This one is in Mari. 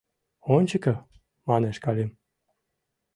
— Ончыко! — манеш Калим.